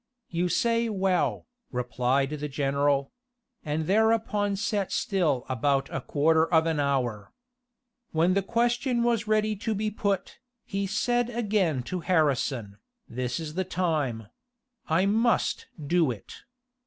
"You say well," replied the general; and thereupon sat still about a quarter of an hour. When the question was ready to be put, he said again to Harrison, "This is the time: I must do it."